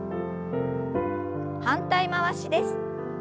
反対回しです。